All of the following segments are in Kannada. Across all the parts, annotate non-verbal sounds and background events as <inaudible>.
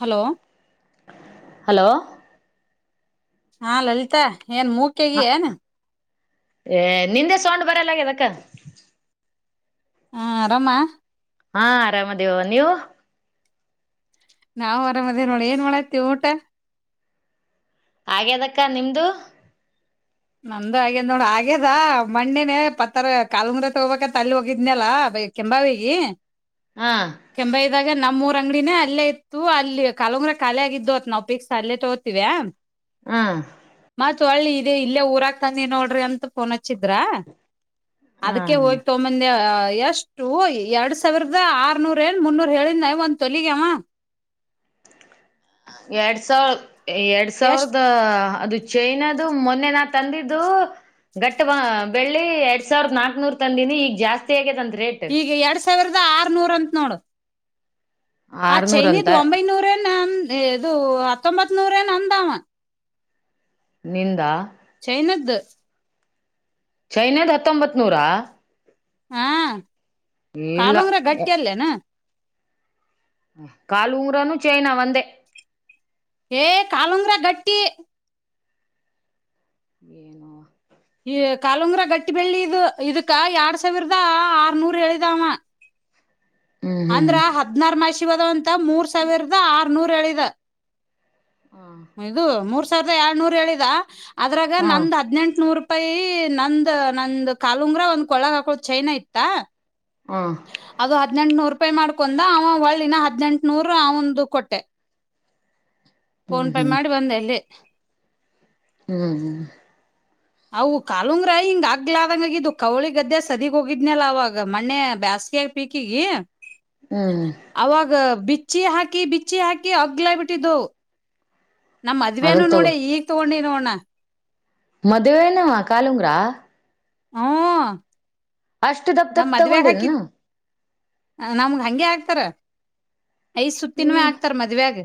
ಹಲೋ ಹಲೋ ಹಾ ಲಲಿತಾ ಏನ್ ಮೂಖಿ ಹ ಆಗಿ ಏನ್ ಏ ನಿಂದೆ ಸೌಂಡ್ ಬರಲ್ಲ ಆಗ್ಯದ ಅಕ್ಕ ಹ್ಮ ಆರಾಮ ಹಾ ಆರಾಮ ಆದಿವಿ ನೀವು ನಾವ ಆರಾಮ ಇದೇವಿ ನೋಡಿ ಏನ್ ಮಾಡಕ್ಕೂತಿ ಊಟ ಆಗ್ಯದಕ್ಕ ನಿಮ್ದು ನಂದು ಆಗ್ಯದ್ ನೋಡ ಆಗ್ಯದ ಮಣ್ಣಿನನೆ ಪತ್ತರ ಕಾಲುಂಗ್ರ ತಗೋಬೇಕಂತ ಅಲ್ಲಿ ಹೋಗಿದ್ನಲ್ಲ ಕೆಂಬಾವಿಗೆ ಹಾ ಕೆಂಭಗಲ್ ಈಗ ನಮ್ಮೂರ್ ಅಂಗಡಿನೇ ಅಲ್ಲೇ ಇತ್ತು ಅಲ್ಲಿ ಕಲಂಗ್ರ ಕಲೆ ಆಗಿದ್ದವತ್ ನಾವು ಪಿಕ್ಸ್ ಅಲ್ಲೇ ತಗೋತತಿವ ಹಾ ತೊಲಿತ್ದೆ ಇಲ್ಲ ಊರಾಗ್ ತಂದಿ ನೋಡ್ರಿ ಅಂತ್ ಫೋ ಹಚ್ಚಿದ್ರ ಹಾ ಅದಕ್ಕೆ ಹೋಯ್ ತಗೋ ಬಂದೆ ಹ್ ಎಷ್ಟು ಎರಡ್ ಸಾವಿರದ ಆರೂನೂರ್ ಏನ್ ಮುನ್ನೂರ್ ಹೇಳಿದ ಒಂದ ತೊಲಗವ ಎರಡ್ ಸಲ್ ಎರಡ್ ಎಷ್ಟ್ ಸಾವಿರದ <unintelligible> ಚೈನದು ಮೊನ್ನೆ ನಾನ್ ತಂದಿದ್ದು ಗಟ್ಟ ವ ಬೆಳ್ಳಿ ಎರಡ್ ಸಾವಿರದ ನಾಕನೂರ್ ತಂದಿನಿ ಈಗ ಜಾಸ್ತಿ ಆಗ್ ತಂತ್ ಈಗ ಎರಡ್ ಸಾವಿರ್ದ್ ತ ಆರುನೂರ್ ಅಂತ್ ನೋಡು ಆ ಆರ್ನೂರ್ ಅಂತ ಚೈನದು ಒಂಬೈನೂರ ನ ಇದು ಹ ಹತ್ತೊಂಬತ್ ನೂರ ಅಂದಾಮ ನಿಂದ ಚೈನದ್ ಚೈನದ್ ಹತ್ತೊಂಬತ್ ನೂರಾ ಹ್ಮ ಇಲ್ಲ ಕಾಲುಂಗುರ ಗಟ್ಟಿಯಲ್ಲೇನ್ ಕಾಲು ಊಂಗರಾನು ಚೈನಾ ವಂದೆ ಏ ಕಾಲಂಗ್ರ ಗಟ್ಟಿ ಏನು ಈ ಕಾಾಲಂಗ್ರ ಗಟ್ಟಿ ಬೆಳ್ಳಿ ಇದು ಇದಕ್ಕ ಎರ್ಡ್ ಸಾವಿರದ ಆರ್ನೂರ್ ಹೇಳಿದ ಆವ ಹ್ಮ್ ಹ್ಮ್ ಅಂದ್ರ ಹದ್ನಾರ ಮಷ <unintelligible> ಮೂರ್ ಸಾವಿರದ ಆರ್ನೂರೇಳಿದ ಹ್ಮ್ ಇದು ಮೂರ್ <unintelligible> ಏಳ್ನೂರ್ ಹೇಳಿದ ಅದ್ರಾಗ ಹ್ಮ್ ನಮ್ದು ಹದ್ನೆನ್ಟು <unintelligible> ಪ್ಪೈ ನಂದ ನಂದ್ ಕಾಲುಂಗ್ರ ಒಂದ್ ಕೊಳಗ ಹಾಕಳದ ಚೈನಾ ಇತ್ತ ಹ್ಮ್ ಅದು ಹದ್ನೆಂಟನೂರು ಪೇ ಮಾಡ್ಕೊಂಡ ಅವ ಒಳ್ಳಿನ ಹದ್ನೆಂಟುನೂರು ಅವಂದು ಕೊಟ್ಟೆ ಹ್ಮ್ ಫೋನ್ ಪೇ ಮಾಡಿ ಬಂದೆ ಇಲ್ಲಿ ಹ್ಮ್ ಹ್ಮ್ ಅವು ಕಾಲುಂಗ್ರ ಹಿಂಗ ಆಗ್ಲಾದಂಗಗಿದು ಕವಳಿ ಗದ್ದೆ ಸದಗ್ ಹೋಗಿದ್ನಲ್ಲ ಅವಾಗ ಮಣ್ಣೆ ಬೇಸ್ಗೆ ಪೀಕಿಗಿ ಹ್ಮ್ ಅವಾಗ ಬಿ ಬಿಚ್ಚಿ ಹಾಕಿ ಬಿಚ್ಚಿ ಹಾಕಿ ಹಗ್ಲ ಬಿಟ್ಟಿದ್ದವು ನಮ್ ಮದ್ವೆನು ಅದಕ್ ನೋಡೆ ಈಗ ತಗೊಂಡಿ ನೋ ನ ಮದವೆನವ್ ಕಲುಂಗ್ರಾ ಹ್ಮ ಅಷ್ಟು ದಪ್ ದಪ್ ತಗೊಂಡಿದನು ನಮಗೆ ಹಂಗೆ ಹಾಕ್ತಾರ ಐದ್ ಸುತ್ತಿನವೇ ಹ್ಮ್ ಆಗ್ತಾರ್ ಮದ್ವ್ಯಾಗ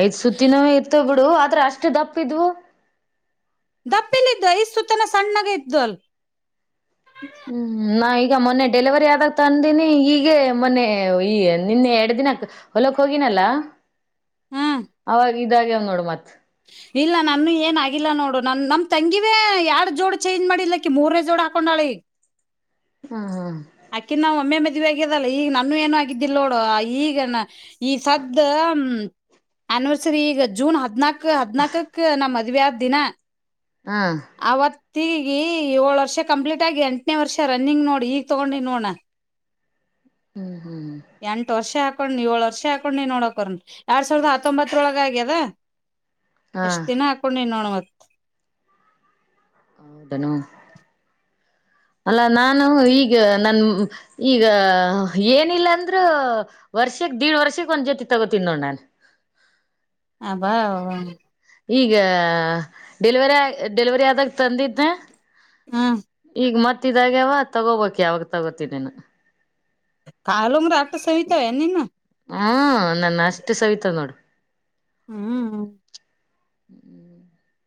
ಐದ್ ಸುತ್ತಿನವೇ ಇರ್ತವ್ ಬಿಡು ಆದ್ರ ಅಷ್ಟ್ ದಪ್ ಕ ಇದ್ವು ದಪ್ಪೇಲ್ಲಿದ್ದು ಐದ್ ಸುತ್ತನ ಸಣ್ಣಾಗ ಇದ್ವಲ್ ಹ್ಮ್ ನಾವ ಈಗ ಮೊನ್ನೆ ಡೆಲಿವರಿ ಆದಾಗ ತಂದೀನಿ ಈಗ ಮೊನ್ನೆ ಈ ನಿನ್ನೆ ಎರಡ್ ದಿನಕ್ಕೆ ಹೊಲಕ್ ಹೋಗಿನಲ್ಲ ಹ್ಮ್ ಅವಾ ಇದಾಗ್ಯಾವ್ ನೋಡು ಮತ್ ಇಲ್ಲ ನನ್ನು ಏನ ಆಗಿಲ್ಲ ನೋಡು ನನ್ ನಮ ತಂಗಿವೇ ಯಾಡ್ ಜೋಡು ಚೇಂಜ್ ಮಾಡಿಲ್ಲಕಿ ಮೂರೇ ಜೋಡ್ ಹಾಕೊಂಡಾಳಿ ಹ್ಮ್ ಹ್ಮ್ ಆಕೆ ನಾ ಒಮ್ಮೆ ಮದ್ವೆ ಆಗ್ಯದಲ್ಲ ಈಗ ನಾನು ಏನು ಆಗಿದ್ದಿಲ್ಲ ನೋಡು ಈಗ ಈ ಸದ್ದ ಆನಿವರ್ಸರಿ ಈಗ ಜೂನ್ ಹದ್ನಾಕ್ ಹದ್ನಾಕಕ್ ನಾ ಮದುವೆ ಆದ ದಿನ ಹಾ ತಿರಿಗಿ ಏಳು ವರ್ಷ ಕಂಪ್ಲೀಟ್ ಆಗಿ ಎಂಟನೇ ವರ್ಷ ರನ್ನಿಂಗ್ ನೋಡ್ ಈ ತಗೊಂಡಿ ನೋಣ ಹ್ಮ್ ಹ್ಮ್ ಹಾಕೊಂಡ್ ನೀ ಏಳ ವರ್ಷ ಹಾಕೊಂಡ್ ನೀ ನೋಡೋಕೋನ್ ಎರಡ್ ಸಾವಿರದ ಹತ್ತೊಂಬತ್ತೊಳ ಆಗ್ಯದ ಹಾ ಎಷ್ಟ್ ದಿನ ಹಾಕೊಂಡನೀ ನೋಡ ಮತ್ತ ಹೌದನು ಅಲ್ಲಾ ನಾನು ಈಗ ನನ್ ಈಗ ಏನಿಲ್ಲ ಅಂದ್ರೂ ವರ್ಷಕ್ ದೀ ವರ್ಷಕ್ ಒಂದ್ ಜೊತಿ ತಗೋತನ್ ನೋಡ್ ನಾನ್ ಅಬಾಬಾ ಈಗ ಡೆಲಿವರಿ ಡೆಲಿವರಿ ಆದಾಗ ತಂದಿದ್ನ ಹ್ಮ್ ಈಗ ಮತ್ ಗತ್ತಿದಾಗ್ಯವ ಅದ್ ತಗೋಬಕ್ ಯಾವಾಗ ತಗೋತಿನೇನ ಕಾಲುಮ್ರ ಆಟ್ಟ್ ಸವಿತಾವೇನ್ ನನ್ನವ್ ಹ್ಮ ನನ್ನ ಅಷ್ಟು ಸವಿತವ್ ನೋಡು ಹ್ಮ್ ಹ್ಮ್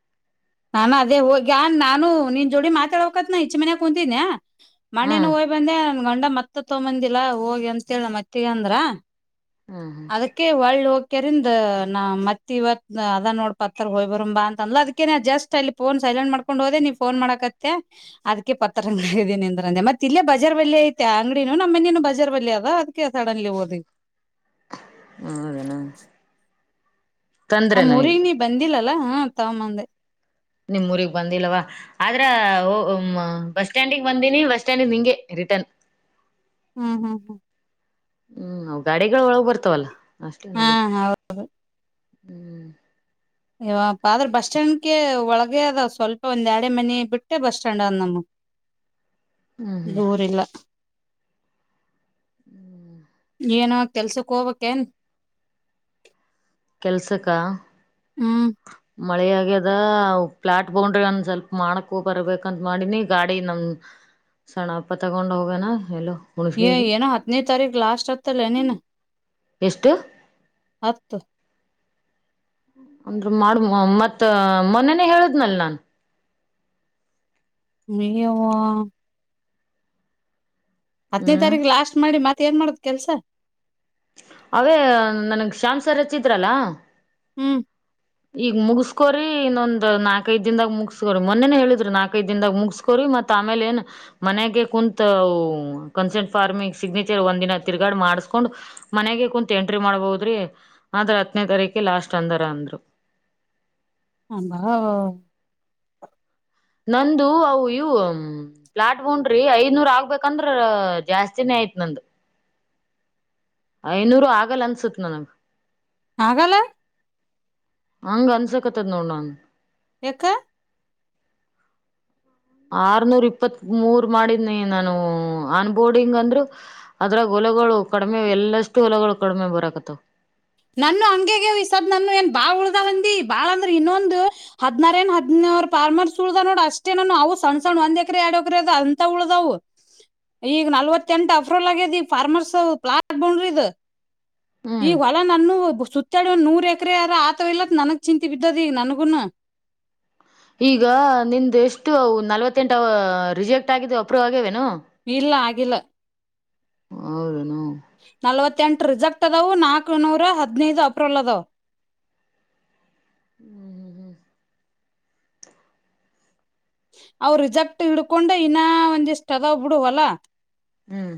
ನಾನ ಅದೇ ಹೋಗ್ಗಾನ್ ನಾನು ನಿನ್ ಜೋಡಿ ಮಾತಾಡೊಕತ್ನ ಇಚ್ ಮನ್ಯಗ್ ಕುಂತಿದ್ನ್ಯ ಮಣ್ಣೇ ನ ಹ್ಮ್ ಹೊಯ್ ಬಂದೆ ನನ್ ಗಂಡ ಮತ್ ಮತ್ತ ತಗೊಂದಿಲ್ಲಾ ಹೋಗಿ ಅಂತೇಳ ಮತ್ತೇಗ್ ಅಂದ್ರ ಹ್ಮ್ ಹ್ಮ್ ಅದಕ್ಕೆ ವಳ್ಳ್ ಹೋಗ್ ಕೆರಂದ್ ನಾ ಮತ್ ಇವತ್ ಅದ ನೋಡ್ ಪತ್ರ ಹೊಯ್ ಬರಂಬಾ ಅಂತ ಅನ್ಲ ಅದಕ್ಕೆ ನಾ ಜಸ್ಟ್ ಅಲ್ಲಿ ಫೋನ್ ಸೈಲೆಂಟ್ ಮಾಡ್ಕೊಂಡ್ ಹೋದೆ ನೀ ಫೋನ್ ಮಾಡಕತ್ಯ ಅದ್ಕ್ ಪತ್ರ ಹಂಗಿದೀನಿ ಅಂದ್ರ ಅಂದೆ ಮತ್ ಇಲ್ಲೇ ಬಜಾರ್ ಬಳಿ ಐತೆ ಆ ಅಂಗಡಿನು ನಮ್ಮ ಮನೇನು ಬಜಾರ್ ಬಳಿ ಅವ ಅದ್ಕೆ ಸಡನ್ಲಿ ಓದಿ ಹೌದೇನು ನಮ್ಮ್ ತಂದ್ರೇನು ಊರಿ ಈಗ ನೀ ಬಂದಿಲ್ಲ ಹ ತಮಅಂದೆ ನಿಮ್ ಊಗ್ ಬಂದಿಲ್ಲವಾ ಆದ್ರ ಬಸ್ ಸ್ಟ್ಯಾಂಡಿಗೆ ಬಂದೀಿನಿ ಬಸ್ ಸ್ಟ್ಯಾಂಡಿಗೆ ನಿಂಗೆ ರಿಟರ್ನ್ ಹ್ಮ್ ಹ್ಮ್ ಹ್ಮ್ ಹ್ಮ್ವು ಗಾಡಿಗಳ ಒಳಗ್ ಬರ್ತಾವಲ್ಲ ನಷ್ಟ ಹಾ ನೋಡಿ ಹೌದ್ ಹ್ಮ್ ಇವಪ್ಪ ಆದ್ರ ಬಸ್ ಸ್ಟ್ಯಾಂಡ್ಗೆ ಒಳಗ ಅದ ಸ್ವಲ್ಪ ಒಂದ್ ಎರಡ ಮನಿ ಬಿಟ್ಟೆ ಬಸ್ ಸ್ಟ್ಯಾಂಡ್ ಅಂದ್ ನಮ್ಮ ಹ್ಮ್ ಹ್ಮ್ ದೂರಿಲ್ಲ ಹ್ಮ್ ಏನ ಕೆಲ್ಸಕ್ ಹೋಗಬೇಕಕ್ೇನ್ ಕೆಲ್ಸಕ್ಕ ಹ್ಮ್ ಮಳೆ ಆಗ್ಯದ ಪ್ಲಾಟ್ ಬೌಂಡ್ರಿ ಒಂದು ಸ್ವಲ್ಪ ಮಾಡಕ್ಕೂ ಬರಬೇಕಂತ ಮಾಡಿನಿ ಗಾಡಿ ನಮ ಸಣ್ಣಪ್ಪ ತಗೊಂಡು ಹೋಗ್ಯನಾ ಎಲ್ಲೋ ಯಏ ಹುಣಸಗಿಗಿ ಏನ ಹತ್ನ ತಾರಕ ಲಾಸ್ ಹ್ತ ಲೆನಿ ಎಷ್ಟು ಹತ್ತು ಅಂದ್ರ ಮಾಡ್ಮ ಮತ್ ಮೊನನೆೇ ಹೇಳಿದ್ನಲ್ ನಾನ್ ಎಯವಾ ಹತ್ತನೇ ಹ್ಮ್ ತಾರೀಕು ಲಾಸ್ಟ್ ಮಾಡಿ ಮತ್ತೆ ಮ ಏನ್ ಮಾಡದ್ ಕೆಲ್ಸ ಅವೇ ನನ್ಗ್ ಶ್ಯಾಮ್ ಸರ್ ರಚ್ಚಿದ್ರಲ್ಲ ಹ್ಮ್ ಈಗ ಮುಗಸ್ಕೋರಿ ಇನ್ನೊಂದ್ ನಾಕ್ ಐದ ದನ್ದಾಗ ಮುಗಸ್ಕೋರಿ ಮೊನ್ನೆನೆ ಹೇಳಿದ್ರಿ ನಾಕಐದ ದನ್ದಾಗ ಮುಗಸ್ಕೋರಿ ಮತ್ ಆಮೇಲೆ ಏನ್ ಮನೆಗೆ ಕುಂತ್ ಕನ್ಸರ್ಂಟ್ ಫಾರ್ಮಿಂಗ್ ಸಿಗ್ನೇಚರ್ ಒಂದ್ ದಿನ ತಿರ್ಗಾಡಿ ಮಾಡಸ್ಕೊಂಡ್ ಮನೆಗೆ ಕುತ್ ಎಂಟ್ರಿ ಮಾಡ್ಬೋದ್ರಿ ಆದ್ರ ಹತ್ನೇ ತಾರೀಕ ಲಾಸ್ಟ್ ಅಂದಾರ ಅಂದ್ರು <unintelligible> ಹ ನಂದು ಅವು ಇವು ಪ್ಲಾಟ್ ಹಂಡ್ರಿ ಐದ್ನೂರ್ ಆಗ್ಬೇಕಂದ್ರ ಜಾಸ್ತಿನೇ ಆಯ್ತ್ ನಂದು ಐನೂರು ಆಗಲ್ಲ ಅನ್ಸತ್ ನನಗ್ ಆಗಲ್ಲ ಹಂಗ ಅನ್ಸಕತ್ತದ ನೋಡ ನನ್ ಎಕ್ಕ ಆರ್ನೂರ್ ಇಪ್ಪತ್ ಮೂರ್ ಮಾಡಿದ್ನಿ ನಾನು ಆನ್ ಬೋರ್ಡಿಂಗ್ ಅಂದ್ರು ಅದ್ರಾಗ ಹೊಲಗಳು ಕಡಿಮೆ ಎಲ್ಲಷ್ಟು ಹೊಲಗಳು ಕಡಿಮೆ ಬರಕತ್ತಾವ ನಾನು ಹಂಗೆ ಆಗ್ಯವ ಈ ಸುದ್ದ ಏನ್ ಬಾಳ್ ಉಳ್ದಾವಂದಿ ಬಾಳ ಅಂದ್ರ ಇನ್ನೊಂದು ಹದ್ನಾರ ಏನ್ ಹದ್ನೂರ್ ಫಾರ್ಮರ್ಸ್ ಉಳ್ದ ನೋಡ ಅಷ್ಟೇ ನಾನ ಅವು ಸಣ್ ಸಣ್ಣ ಒಂದ್ ಎಕ್ರ ಎರಡು ಎಕ್ರ ಅದ ಅಂತ ಉಳ್ದವು ಈಗ ನಲ್ವತ್ತ ಎಂಟ ಅಫ್ರಲ್ ಆಗ್ಯದಿ ಫಾರ್ಮರ್ಸ್ ಪ್ಲಾಟ್ ಬಂಡ್ರ ಇದ ಈ ಹ್ಮ್ ಹೊಲ <unintelligible> ಸುತ್ತಾಡ ಒಂದ ನೂರ್ ಎಕರೆ ಅರ ಆತ ಇಲ್ಲತ್ ನನಗ್ ಚಿಂತಿ ಬಿದ್ದದ ಈಗ ನನ್ಗೂನು ಈಗ ನಿಮ್ದ ಎಷ್ಟು ನಲ್ವತ್ತೆಂಟ ರಿಜೆಕ್ಟ್ ಆಗಿದ ಅಪ್ರೂವ್ ಆಗ್ಯೇವೇನು ಇಲ್ಲ ಹಾಗ ಇಲ್ಲ ಹೌದ ನಲವತ್ತು <unintelligible> ಎಂಟು ರಿಸಕ್ಟ್ ಅದವು ನಾಕು ನೂರ ಹದಿನೈದು ಅಪ್ರಿಲ್ ಅದು ಹ್ಮ್ ಹ್ಮ್ ಹ್ಮ್ ಅವ ರಿಸಕ್ಟ್ ಹಿಡ್ಕೊಂಡೆ ಇನ್ನ ಒಂದಿಷ್ಟ್ ಅದಾವ್ ಬಿಡುವಲ್ಲ ಹ್ಮ್ ಹ್ಮ್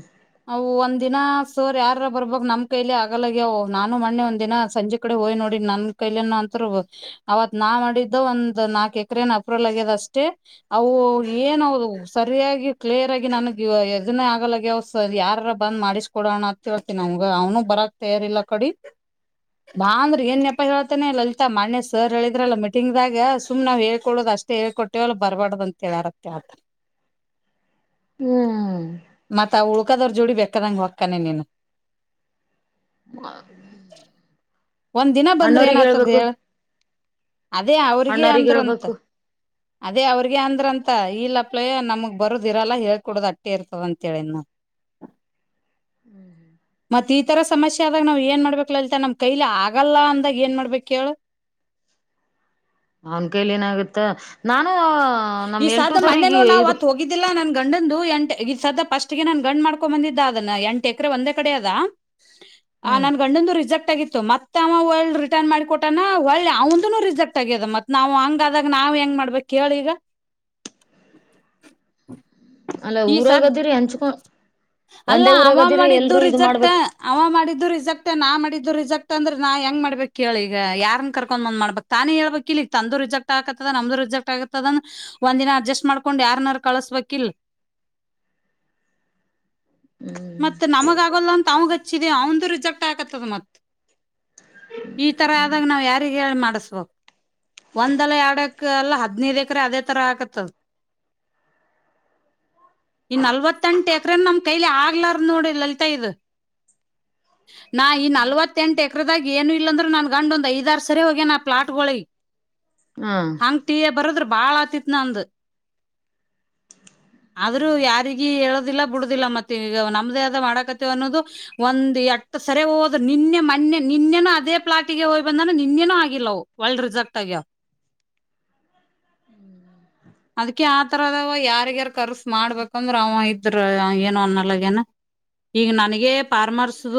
ಅವು ದಿನ ಸೋರ್ ಯಾರಾರ ಬರ್ಬಕ್ ನಮ್ ಕೈಲೆ ಅಗಲ್ಲಯಗವ ನಾನು ಮಣ್ಣೆ ಒಂದ್ ದಿನ ಸಂಜೆ ಕಡೆ ಹೋಯ್ ನೋಡಿ ನನ್ ಕೈಲೆನ ಅಂತರು ಅವತ್ ನಾ ಮಾಡಿದ್ದ ಒಂದ ನಾಲ್ಕ ಎಕರೆೇನ ಅಪ್ರೂವಲ್ ಆಗ್ಯದ ಅಷ್ಟ ಅವು ಏನದು ಸರಿಯಾಗಿ ಕ್ಲಿಯರ್ ಆಗಿ ನನಗೆ ಎನ್ನ ಆಗಲ ಅವ ಯಾರಾರ ಬಂದ್ ಮಾಡಿಸ್ಕೊಡೋಣ ಅಂತ ಹೇಳ್ತನಿ ಅವಗ ಅವ್ನು ಬರಕ್ ತಯಾರಿಲ್ಲ ಕಡಿ ಬಾ ಅಂದ್ರೆ ಏನ್ ನೆಪ ಹೇಳ್ತಾನೆ ಲಲಿತಾ ಮಣೆ ಸರ್ ಹೇಳಿದ್ರಲ್ಲ ಮೀಟಿಂಗ್ದಾಗ ಸುಮ್ ನಾವು ಹೇಳ್ಕೊಡೋದು ಅಷ್ಟೇ ಹೇಳ್ ಟೋಲ್ ಬರ್ಬಾರಡ್ದಂತ ಹೇಳಾರತ್ತೆ ಆ ಹ್ಮ್ ಮತಾ ಆಪ್ <unintelligible> ಬೆಕ್ಕದವ್ರ ಜೋಡಿ ಬೇಕಾದಂಗ ಹೊಕ್ಕಾನೆ ಇ ನೀನ ಒಂದ್ ದಿನ ಬಂದ್ರ ಅಣ್ಣೋರಿಗೆ ಏನಾತದ ಹೇಳ್ಬೇಕು ಹೇಳ ಅದೇ ಅವ್ರಗ ಅಣ್ಣವ್ರಗ್ ಅಂದ್ರಂತ ಹೇಳ್ಬೇಕು ಅದೇ ಅವ್ರಗೆ ಅಂದ್ರ ಅಂತ ಇಲ್ಲಪ್ಲಯ ನಮಗ್ ಬರದ ಇರಲ್ಲ ಹೇಳ್ಕೊಡುದ್ ಅಟ್ಟೆ ಇರ್ತದ ಅಂತೇಳಿ ನ ಮತ್ತ ಈತರ ಸಮಸ್ಯೆ ಆದಾಗ ನಾವ್ ಏನ್ ಮಾಡ್ಬೇಕಕ್ ಲಲಿತ ನಮ್ ಕೈಲಿ ಆಗಲ್ಲ ಅಂದಾಗ ಏನ್ ಮಾಡ್ಬೇಕ ಕೇಳ ಅವನ್ ಕೈಲಿ ಏನಾಗುತ್ತ ನಾ ಈ ಸದ್ ಮನ್ನೇ ನೋಡ್ ನಾ ಇದು ಹೋಗಿದ್ದಿಲ್ಲಾ ನನ್ ಗಂಡಂದು ಎಂಟ ಈ ಸದ ಪಫಸ್ಟ್ಗೆ ನಾನನ್ ಗಂಡ್ ಮಾಡ್ಕೊಂಡ ಬಂದಿದ್ದ ಅದನ್ನ ಎಂಟು ಎಕರೆ ಒಂದೇ ಕಡೆ ಅದ ಹ ಹ್ಮ್ ನನ್ ಗಂಡೊಂದು ರಿ <unintelligible> ಆಗಿತ್ತು ಮತ್ತೆ ಅವ ಒಳ್ಳಿ ರಿಟರ್ನ್ ಮಾಡಿಕೊಟ್ಯಾನ ಒಳ್ಳ ಅವಂದನು ರಿಸೆಕ್ಟ್ ಆಗ್ಯದ ಮತ್ ನಾವ ಹಂಗ ಆದಾಗ ನಾವ್ ಹೆಂಗ ಮಾಡ್ಬೇಕಕ್ ಕೇಳಿ ಈಗ <inaudible> ಅಲ್ಲ ಊರಾಗದಿರಿ ಅಂಚ್ಕೊಂಡ ಅಲ್ಲ ಅವ ಮಾಡಿದ್ದು ಇದು ರಿಜೆಕ್ಟ್ ಮಾಡ್ಬೇಕ ಅವ ಮಾಡಿದ್ದು ರಿಜೆಕ್ಟ್ ನಾ ಮಾಡಿದ್ ಇದು ರಿಜೆಕ್ಟ್ ಅಂದ್ರೆ ನಾ ಹೆಂಗ ಮಾಡ್ಬೇಕಕ್ ಕೇಳಿ ಈಗ ಯಾರನ್ ಕರ್ಕೊಂಡ್ ಒಂದ್ ಮಾಡ್ಬಬೇಕಕ್ ತಾನೇ ಹೇಳ್ಬೇಕಕ್ ಇಲ್ ಈಗ ತಂದು ರಿಜೆಕ್ಟ್ ಆಕತದ ನಮ್ದು ರಿಜೆಕ್ಟ್ ಆಗತದಂದ ಒಂದಿನ ಅಡ್ಜಸ್ಟ್ ಮಾಡ್ಕೊಂಡ್ ಯಾರನಾರ ಕಳಸ್ಬೇಕಿಲ್ ಹ್ಮ್ ಮತ್ ನಮ್ಗ ಆಗಲ್ಲ ಅಂತ ಅವಗ ಹಚ್ಚಿದೆ ಅವ ರಿಜೆಕ್ಟ್ ಆಕತ್ತದ ಮತ್ ಈತರ ಆದಾಗ ನಾವ್ ಯಾರಿಗ್ ಹೇಳ್ ಮಾಡಸ್ಬಕ್ ಒಂದಲ ಆಡಕ್ ಎಲ್ಲ ಹದ್ನೈದ ಎಕರೆ ಅದೇ ತರ ಆಕತ್ತದ ಇ ನಲ್ವತ್ತೆಂಟ ಎಕ್ ಎಕ್ರ ನಮ್ ಕೈಲಿ ಆಗ್ಲಾರ ನೋಡಿ ಲಲಿತಾ ಇದ್ ನಾ ಈ ನಲ್ವತ್ತ ಎಂಟ ಎಕ್ರದಾಗ ಏನು ಇಲ್ಲಾಂದ್ರೂ ನಾನ್ ಗಂಡ ಒಂದ್ ಐದಾರ ಸರಿ ಹೋಗ್ಯನ ಪ್ಲಾಟ್ಗಳಿಗೆ ಹಾ ಹಂಗ್ ತಿಯ ಬರದ್ರ ಬಾಳ ಆತಿತ್ ನಂದ ಆದ್ರೂ ಯಾರಿಗಿ ಹೇಳ ದಿಲ್ಲ ಬಿಡುದಿಲ್ಲ ಮತ್ತ ಈಗ ನಮ್ದೇ ಆದ ಮಾಡಕತಿವ ಅನ್ನೋದು ಒಂದ್ ಎಟ್ಟ ಸರಿ ಹೋದ ನಿನ್ನೆ ಮೊನ್ನೇ ನಿನ್ನೆನು ಅದೇ ಪ್ಲಾಟಿಗೆ ಹೋಗಿ ಬಂದಾನ ನಿನ್ನೆನು ಆಗಿಲ್ಲ ಅವ್ ಒಳ್ಳ ರಿಸಕ್ಟ್ ಆಗ್ಯಾವ ಅದಿಕೆ ಆತರದ ಯಾರಗಾರ ಕರ್ಸ್ ಮಾಡ್ಬೇಕಂದ್ರ ಅವ ಇದ್ ಅ್ರ ಏನು ಅನ್ನಲಗೇನ ಈಗ ನನಗೆ ಫಾರ್ಮರ್ಸ್ದ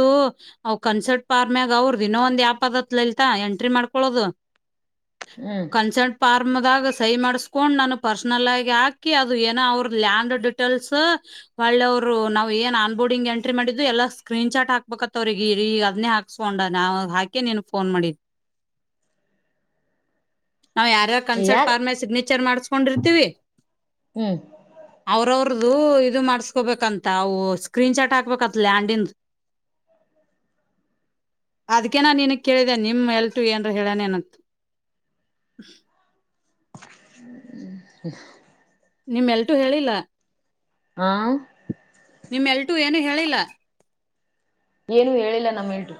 ಅವ ಕನ್ಸರ್ಟ್ ಫಾರ್ಮಾಗ ಅವ್ರದದು ಇನ್ನೊ ಒಂದ್ ಯ್ಯಪ್ ಅದತ್ಲಲ್ತ ಲಲಿತಾ ಎಂಟ್ರಿ ಮಾಡ್ಕೊಳೋದು ಹ್ಮ್ ಕಾಂಸೆಂಟ್ ಫಾರ್ಮ್ ದಾಗ್ ಸಹಿ ಮಾಡಸ್ಕೊಂಡ್ ನಾನ ಪರ್ಸ್ನಲ್ ಆಗಿ ಹಾಕಿ ಅದು ಏನೋ ಅವ್ರ ಲ್ಯಾಂಡ್ ಡಿಟೇಲ್ಸ್ ಒಳ್ಳವರು ನಾವ್ ಏನ್ ಆನ್ ಬೋರ್ಡಿಂಗ್ ಎಂಟ್ರಿ ಮಾಡಿದ್ದು ಎಲ್ಲಾ ಸ್ಕ್ರೀನ್ ಶಾಟ್ ಹಾಕ್ಬೇಕತ್ ಅವ್ರಿಗ ಅದನೇ ಹಾಕ್ಸ್ಕೊಂಡ ನಾವ ಹಾಕೆ ನಿಂಗ ಫೋನ್ ಮಾಡಿನಿ ನಾವ ಯಾರ್ ಯಾರ್ ಕಂಸೆಂಟ್ ಪಾರಂ ಸಿಗ್ನೆ ವಿಚಾರ್ ಮಾಡ್ಸ್ಕೊಂಡಿರ್ತೀವಿ ಹ್ಮ್ ದುರ್ದು ಇರ್ ಮಾಡಸ್ಕೋಬೇಕಂತ ಅವು ಸ್ಕ್ರೀನ್ ಶಾಟ್ ಹಾಕ್ಬೇಕತ ಲ್ಯಾಂಡ್ದು ಅದಕೆ ನಾನಿಗ್ ಕೇಳಿದೆ ನಿಮ್ ಎಲ್ಟು ಏನ್ ಹೇಳನೆನಂತ್ ಹ್ಮ್ ಹ್ಮ್ ನಿಮ್ಮ್ ಎಲ್ಟು ಹೇಳಿಲ್ಲ ಹಾ ನಿಮ್ ಎಲ್ಟು ಏನ ಹೇಳಿಲ್ಲ ಏನು ಹೇಳಿಲ್ಲ ನಮ್ ಎಲ್ಟು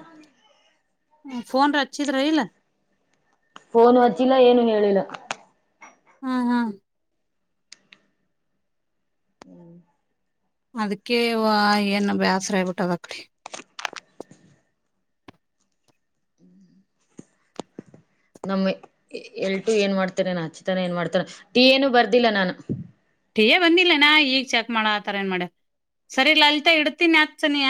ಫೋನ್ ರ ಅಚ್ಇದ್ರ ಹಿಲ್ಲ ಫೋನು ಹಚ್ಚಿಲ್ಲ ಏನು ಹೇಳಿಲ್ಲ ಹ ಹ ಅದಕೆ ವಾ ಏನ ಬ್ಯಾಸ್ರ ಆಗ್ಬಿಟದ ಅಕಡಿ ನಮ್ ಎಲ್ಟು ಏನ್ ಮಾಡ್ತೇನೆ ನಾನ್ ಹಚ್ಚಿತನ ಏನ್ ಮಾಡ್ತಾರ ಟೀ ಏನು ಬರ್ದಿಲ್ಲ ನಾನು ಟೀ ಎ ಬಂದಿಲ್ಲನಾ ಈಗ ಚೆಕ್ ಮಾಡ ಆತರ ಏನ್ ಮಾಡ ಸರಿ ಲಲಿತಾ ಇಡ್ತೀನಿ ಹಚ್ ನೀ